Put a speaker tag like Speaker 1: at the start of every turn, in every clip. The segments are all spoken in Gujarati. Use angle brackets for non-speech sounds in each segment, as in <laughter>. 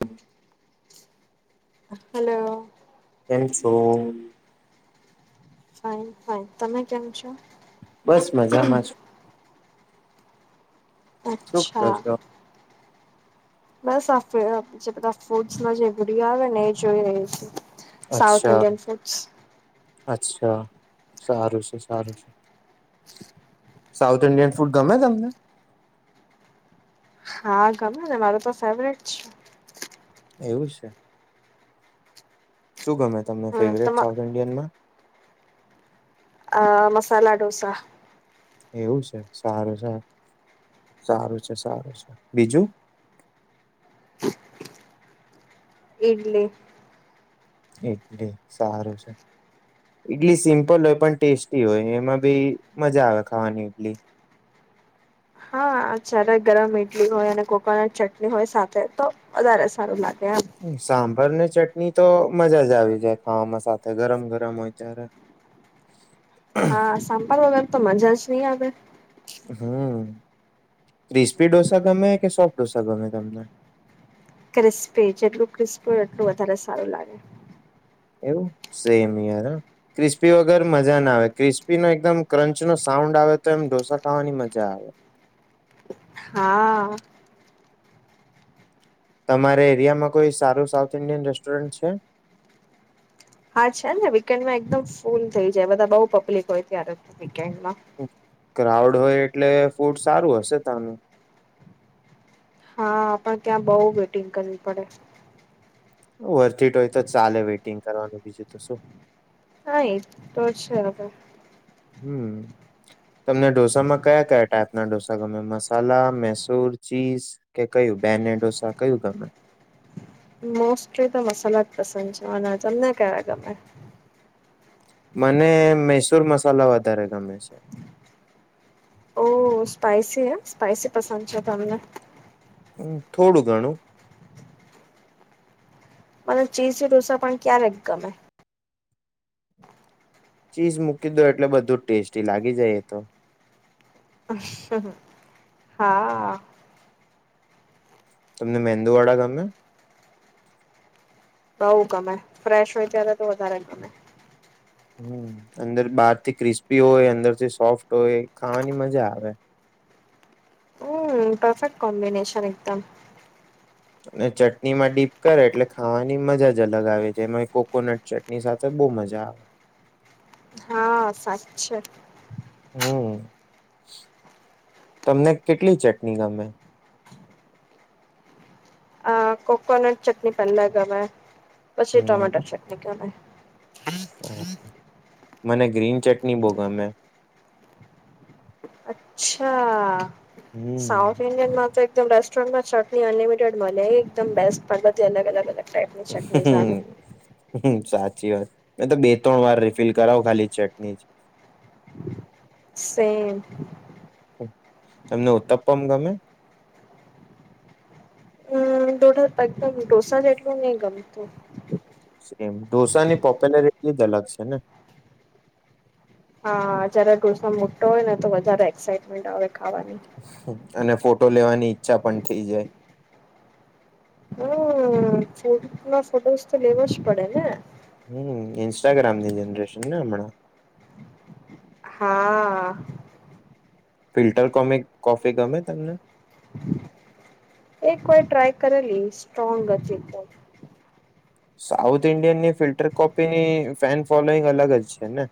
Speaker 1: હમ.
Speaker 2: હલો.
Speaker 1: તેમેમસોંગ
Speaker 2: ફ ફ તમે કેમ છો.
Speaker 1: બસ મજામાં છ. કરો
Speaker 2: અચ્છા.
Speaker 1: છો?
Speaker 2: બસ આ જે બધા ફૂડ જે ભુડિયા આવે ને એ જોઈ રહી છે. સાઉથ
Speaker 1: અચ્છા
Speaker 2: ન્ડિયન ફૂડસ
Speaker 1: અચ્છા સારું છે સારું છે સાઉથ ઇન્ડિયન ફૂડ ગમે તમને.
Speaker 2: હા, ગમે ને, મારું તો ફેવરેટ છે.
Speaker 1: એવું છે? શું ગમે? તમને
Speaker 2: હમ તો
Speaker 1: ફેવરેટ સાઉથ ઇન્ડિયનમાં?
Speaker 2: આ મસાલા ઢોસા.
Speaker 1: એવું છે, સારું ચાલો, સારું છે, સારું છે, બીજું?
Speaker 2: ઈડલી.
Speaker 1: ઈડલી, સારું છે, ઈડલી સિમ્પલ હોય પણ ટેસ્ટી હોય, એમાં બી મજા આવે ખાવાની ઈડલી.
Speaker 2: હા, જ્યારે ગરમ ઈડલી હોય અને કોકોનટ ચટણી હોય સાથે, તો વધારે સારું લાગે. એમ
Speaker 1: સામ ભાર ને ચટની તો મજા જ આવી જાય ખાવામાં સાથે, ગરમ ગરમ હોય ત્યારે.
Speaker 2: હા સાંભાર વગર તો મજા જ નહીં આવે.
Speaker 1: હમ્મ. ક્રિસ્પી ડોસા ગમે કે સોફ્ટ ડોસા ગમે તમને?
Speaker 2: ક્રિસ્પી, જેટલું ક્રિસ્પી હોય એટલું વધારે સારું લાગે.
Speaker 1: એવું? સેમ યાર હં, ક્રિસ્પી વગર મઝા ના આવે, ક્રિસ્પીનો એકદમ ક્રંચનો સાઉન્ડ આવે તો એમ ઢોસા ખાવાની મઝા આવે.
Speaker 2: હા.
Speaker 1: તમારા એરિયામાં કોઈ સારું સાઉથ ઈન્ડિયન રેસ્ટોરન્ટ છે?
Speaker 2: હા છે ને, વીકેન્ડમાં એકદમ ફૂલ થઈ જાય, બધા બહુ પબ્લિક હોય ત્યારે. <unintelligible> <unintelligible>
Speaker 1: ક્રાઉડ હોય એટલે ફૂડ સારું હશે તાંનું.
Speaker 2: હા, પણ ત્યાં બહુ વેટિંગ કરવી પડે છે.
Speaker 1: વર્થ ઈટ હોય તો ચાલે વેઇટિંગ કરવાનું બીજું તો શું?
Speaker 2: હા એ તો છે હવે.
Speaker 1: હમ્મ. તમને ઢોસામાં કયા કયા ટાઈપ ના ઢોસા ગમે, મસાલા, મૈસૂર, ચીઝ કે કયું બેને ઢોસા કયું ગમે?
Speaker 2: મોસ્ટલી તો મસાલા જ પસંદ છે, મને તમને કેવા ગમે?
Speaker 1: મને મૈસૂર મસાલા વધારે ગમે છે.
Speaker 2: ઓ સ્પાઈસી હં, સ્પાઈસી પસંદ છે તમને.
Speaker 1: હમ, થોડું ઘણું.
Speaker 2: મને ચીઝી ઢોસા પણ ક્યારેક ગમે.
Speaker 1: ચીઝ મૂકી દો એટલે બધું જ ટેસ્ટી લાગી જાય એ તો
Speaker 2: અંહંહ હા.
Speaker 1: તમને મેંદુવડા ગમે?
Speaker 2: બઉ ગમે, ફ્રેશ હોય ત્યારે તો વધારે ગમે.
Speaker 1: હમ, અંદર બહારથી ક્રિસ્પી હોય અંદરથી સોફ્ટ હોય ખાવાની મજા આવે.
Speaker 2: હમ્મ, પરફેક્ટ કોમ્બિનેશન એકદમ.
Speaker 1: અને ચટનીમાં ડીપ કરે એટલે ખાવાની મજા જ અલગ આવે જેમાં કોકોનટ ચટણી સાથે બો મજા આવે.
Speaker 2: હા સાચ્ચે.
Speaker 1: હમ, તમને કેટલી ચટણી ગમે?
Speaker 2: અં કોકોનટ ચટની પેલ્લા ગમે પછી ટમેટર
Speaker 1: હમ
Speaker 2: ચટની ગમે. <unintelligible>
Speaker 1: મને ગ્રીન ચટણી બોગમે.
Speaker 2: અચ્છા. સાઉથ ઇન્ડિયન માત્ર એકદમ રેસ્ટોરન્ટમાં ચટણી અનલિમિટેડ મળે એકદમ બેસ્ટ બધી અલગ અલગ અલગ ટાઈપ ની ચટનીઝ ચાલે
Speaker 1: હમ સાચી વાત એ તો બે ત્રણ વાર રિફિલ કરાવો ખાલી ચટણી.
Speaker 2: સેમ.
Speaker 1: એમને ઉતપ્પમ ગમે.
Speaker 2: મને થોડું <unintelligible> ઢોસા ને જેટલું ની ગમે.
Speaker 1: એમ ઢોસા ની પોપ્યુલરિટી જ અલગ છે ને.
Speaker 2: હા જયારે ઢોસા મુટો હોય ને તો વધારે એક્સાાઈટમેન્ટ આવે. ખાવાની.
Speaker 1: અને ફોટો લેવાની ઈચ્છા પણ થઈ જાય.
Speaker 2: હમ્મ <unintelligible> ફોટોઝ તો લેવાો જ પડે ને.
Speaker 1: હમ ઇન્સ્ટાગ્રામની જનરેશન ને હમણાં.
Speaker 2: હા.
Speaker 1: ફિલ્ટર કોમે કોફી ગમે તમને.
Speaker 2: એક વાર ટ્રાય કરલી સ્ટ્રાંગ હતી એટલે.
Speaker 1: સાઉથ ઈન્ડિયનની ફિલ્ટર કોપીની ફેન ફોલોઈંગ અલગ જ છે ને.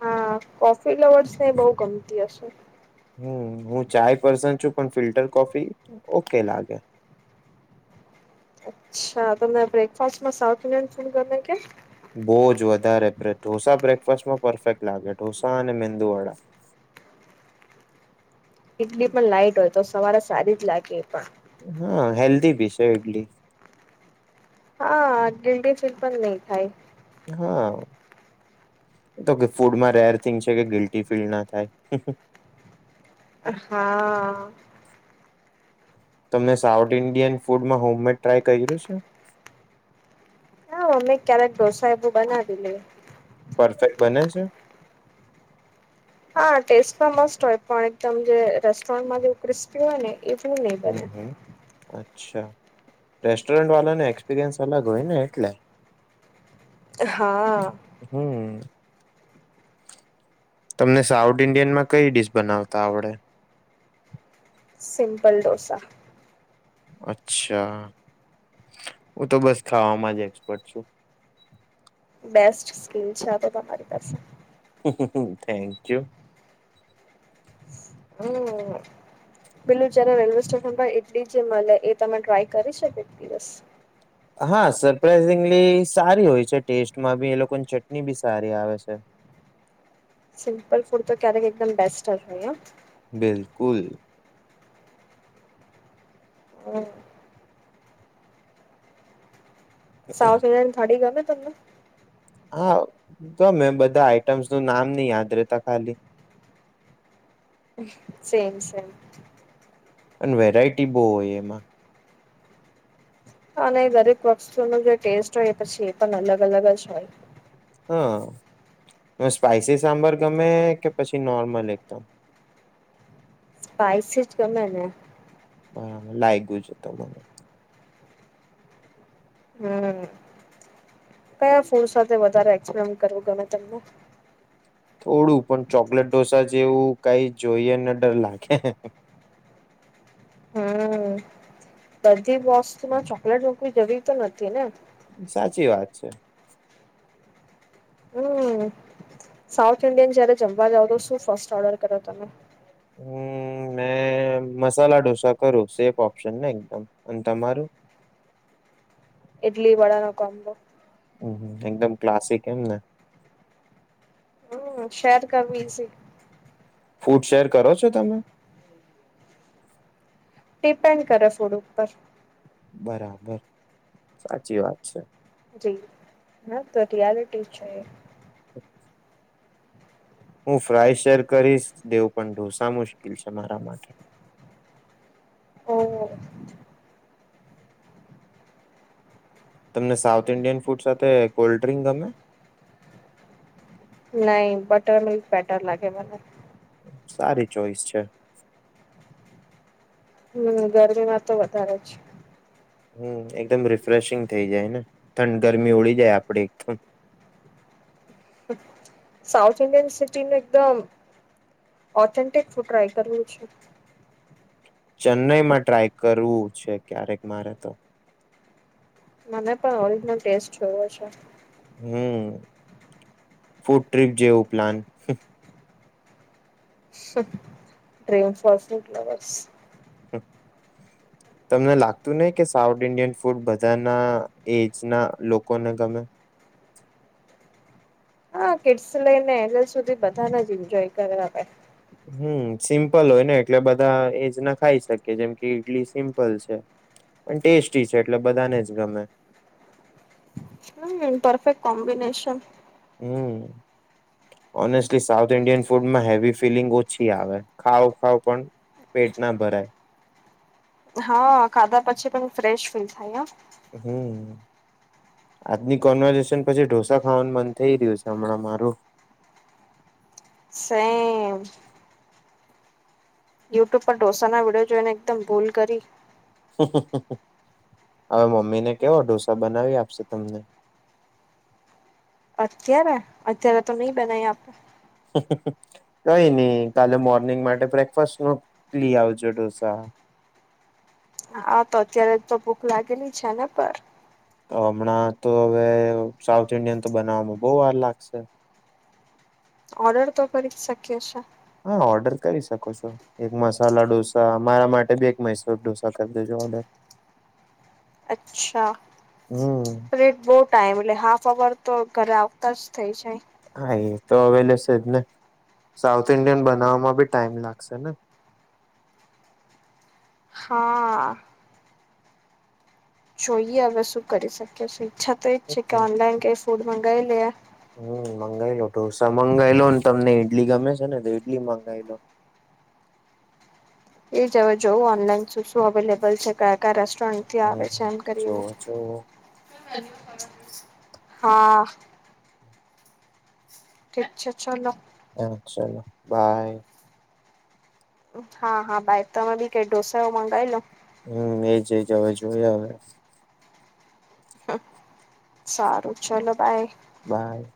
Speaker 2: હા કોફી લ્વર્સ ને બહુ ગમતી હશે.
Speaker 1: હમ હું ચાય પર્સ છું પણ ફિલ્ટર કોફી ઓકે લાગે.
Speaker 2: અચ્છા તને બ્રેકફાસ્ટમાં સાઉથ ઇન્ડિયન ફૂડ ગમે કે.
Speaker 1: બહુ જ વધારે ઢોસા બ્રેકફાસ્ટમાં પરફેક્ટ લાગે ઢોસા અને મેંદુવાળા.
Speaker 2: ટલી પણ લાઈટ હોય તો સવારે સારી જ લાગે એ પણ.
Speaker 1: હા હેલ્ધી ભી છે ઇડલી.
Speaker 2: હ ગિલડી ફીલ પણ નહી થાય.
Speaker 1: હા તો કે ફૂડમાં રેર થિંગ છે કે ગિલ્ટી ફીલ ના થાય.
Speaker 2: હા.
Speaker 1: તમે સાઉથ ઇન્ડિયન ફૂડમાં હોમમેડ ટ્રાય કર્યું છે.
Speaker 2: હા મમ્મી ક્યારેક ઢોસા એબું બનાવી લે.
Speaker 1: પરફેક્ટ બને. જ <unintelligible>
Speaker 2: હા ટેસ્ટ પણ મસ્ત હોય પણ એકદમ જે રેસ્ટોરન્ટમાં જેવું ક્રિસ્પી હોય ને. એજું નહી
Speaker 1: હમ
Speaker 2: બને.
Speaker 1: હમ અચ્છા રેસ્ટોરન્ટ વાળાને એક્સપિરિયન્સ અલગ હોય ને એટલે.
Speaker 2: હા
Speaker 1: હમ. તમને સાઉથ ઈન્ડિયનમાં કઈ િશ બનાવતા આવડે.
Speaker 2: સિમપલ ડોસા.
Speaker 1: અચ્છા હું તો બસ ખાવામાં જ એક્સપર્ટ છું.
Speaker 2: બેસ્ટ સ્કીન છે આ તો તમારી પાસે.
Speaker 1: હ થેન્ક યુ.
Speaker 2: હમ પેલું જારે રેલવે સ્ટેશન પર ઇડલી જે મળે એ તમે ટ્રાય કરી શકો દિવસ.
Speaker 1: હા સરપ્રાાઈઝિંગલી સારી હોય છે ટેસ્ટમાં બી એ લોકોની ચટણી બી સારી આવે છે.
Speaker 2: સિમ્પલ ફૂડ તો ક્યારેક એકદમ બેસ્ટ હશે.
Speaker 1: બિલકુલ.
Speaker 2: હ <unintelligible> સાવ થ થડી ગ. તને.
Speaker 1: હા તોમે બધા આઈટમ્સ નું નામ નહી યાદ રતા ખાલી.
Speaker 2: સમ છેેમ.
Speaker 1: અને વેરાયટી બહુ હોય એમાં.
Speaker 2: અને દરેક વસ્તુનો જે ટેસ્ટ હોય પછી એ પણ અલગ અલગ જ હોય.
Speaker 1: હા સ્પાઈસી સાંભાર ગમે કે પછી નોર્મલ એકદમ.
Speaker 2: સ્પાઈસીજ ગમે ને.
Speaker 1: બરાબર લાગ ગ્યું છે તો મને.
Speaker 2: હમ કયા ફૂડ સાથે વધારે એક્સપ્ન કરવું ગમે તમને.
Speaker 1: થોડું પણ ચોકલેટ ઢોસા જેવું કઈ જોઈએને ડર લાગે.
Speaker 2: હમ બધી વસ્તુમાં ચોકલેટ મૂકવી જવી તો નથી ને.
Speaker 1: સાચી વાત છે.
Speaker 2: હમ સાઉથ ઇન્ડિયન જયારે જમવા જાવ તો શું ફર્સ્ટ ઓર્ડર કરો તમે.
Speaker 1: હમ મે મસાલા ઢોસા કરું સેફ ઓપ્શન ને એકદમ અને તમારું.
Speaker 2: ઇડલી વડા ન કામબો.
Speaker 1: હમ એકદમ ક્લાસિક એમ ને.
Speaker 2: હમ શહેર કરવી છે.
Speaker 1: ફૂડ શેર કરો છો તમે.
Speaker 2: ડિપેન્ડ કરે ફૂડ ઉપર.
Speaker 1: બરાબર સાચી વાત છે.
Speaker 2: જી ના તો રિયાલિટી છે.
Speaker 1: હું ફ્રાય શેર કરીશ દેઉં પણ ઢોસા મુશ્કેલ છે મારા માટે.
Speaker 2: ઓ.
Speaker 1: તમને સાઉથ ઇન્ડિયન ફૂડ સાથે કોલ્ડ ડ્રિંક ગમે.
Speaker 2: નાહી બટર મિલ્ક બેટર લાગે મને.
Speaker 1: સારી ચોઈસ છે.
Speaker 2: હમ ગરમીમાં તો વધારે જ
Speaker 1: હમ એકદમ રિફ્રેશિંગ થઇ જાયને ઠંડ ગરમી ઓળી જાય આપડ એકદમ.
Speaker 2: સાઉથ ઇન્ડિયન સિટીનું એકદમ ઓથેન્ટિક ટ્રાય કરવું છે.
Speaker 1: ચેન્નઈમાં ટ્રાય કરવું. ક્યારેક મારે તો
Speaker 2: મને પણ ઓરિજનલ ટેસ્ટ જોયો છે.
Speaker 1: હમ ફૂડ ટ્રીપ જેવું પ્લાન
Speaker 2: ડ્રીમસ વસટ લવર્સ.
Speaker 1: તમને લાગતું નહ કે સાઉથ ઇન્ડિયન ફૂડ બધાના એજ ના લોકોને ગમે.
Speaker 2: હા કિડ્સ લઈને <unintelligible> સુધી બધાને જ એન્જોય કરાવે.
Speaker 1: હમ સિમ્પલ હોય ને એટલે બધા એજ ના ખાઈ શકીએ જેમ કે ઈડલી સિમ્પલ છે પણ ટેસ્ટી છે એટલે બધાને જ ગમે.
Speaker 2: હમ પરફેક્ટ કોમ્બિનેશન.
Speaker 1: હમ ઓનેસ્ટલી સાઉથ ઇન્ડિયન ફૂડમાં હેવી ફિલિંગ ઓછી આવે ખાવ ખાવ પણ પેટ ના ભરાય.
Speaker 2: હા ખાધા પછી પણ ફ્રેશ ફીલ થાય.
Speaker 1: હમ આજની કોન્વર્ઝેશન પછી ઢોસા ખાવાનું બંધ થઈ ગયું છે હમણાં મારું.
Speaker 2: સેમ. યુટ્યુબ પર ઢોસા ના વિડીયો જોઈને એકદમ ભૂલ કરી.
Speaker 1: હવે મમ્મીને કેવો ઢોસા બનાવી આપશે તમને.
Speaker 2: ક્યારે અત્યારે તો નહી બનાય આપે.
Speaker 1: કઈ નહી કાલે મોર્નિંગ માટે બ્રેકફાસ્ટ નલી આવજો ઢોસા.
Speaker 2: હા તો અત્યારે તો ભૂખ લાગેલી છે ને પર
Speaker 1: તો હમણાં તો હવે સાઉથ ઈન્ડિયન તો બનાવવામાં બહ વાર લાગશે.
Speaker 2: ઓર્ડર તો કરી શકીએ છે.
Speaker 1: હા ઓર્ડર કરી શકો છો એક મસાલા ઢોસા મારા માટે બે એક મૈસુર ઢોસા કરી દેજો ઓર્ડર.
Speaker 2: અચ્છા
Speaker 1: હમ
Speaker 2: બહ ટમટલે હાફર. તો ઘરે આવતા જ થઇ જાય.
Speaker 1: હા એ તો અવેલે છે જ ને સાઉથ ઇન્ડિયન બનાવવામાં બી ટાઈમ લાગશે ને.
Speaker 2: હા. જોઈએ હવે શું કરી શકીએ છે. અચ્છા તો છે કે ઓનલાઈન કઈ ફૂડ મંગાવાઈ લેયા.
Speaker 1: હમ મંગાઈ લો ઢોસા મંગાવાઈ લો ને તમને ઈડલી ગમે છે ને તો ઈડલી મંગાઈ લો.
Speaker 2: એ જ હવે જોવું ઓનલાઈન શું શું અવેલેબલ છે ક. રેસ્ટોરન્ટથી
Speaker 1: હમ
Speaker 2: આવે છે એમ કરીને.
Speaker 1: જોવો જોવો
Speaker 2: હા. ઠી છે ચાલો.
Speaker 1: હ ચાલો બાય.
Speaker 2: હા હા ભાઈ તોમે બી કઈ ઢોસા એવ મંગાવી લો.
Speaker 1: હમ એજ એજ હવે જોયા હવે.
Speaker 2: સારું ચલો બાય.
Speaker 1: બાય.